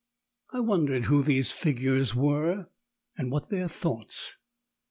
I wondered who these figures were, and what their thoughts.